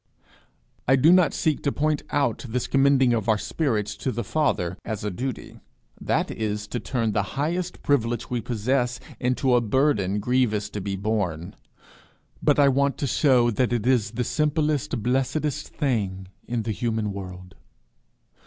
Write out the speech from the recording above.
I do not seek to point out this commending of our spirits to the Father as a duty: that is to turn the highest privilege we possess into a burden grievous to be borne. But I want to shew that it is the simplest blessedest thing in the human world.